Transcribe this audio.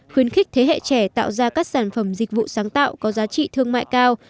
khuyến khích thế hệ trẻ tạo ra các sản phẩm dịch vụ sáng tạo có giá trị thương mại cao